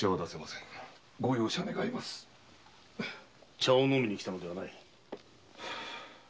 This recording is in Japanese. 茶を飲みに来たのではない。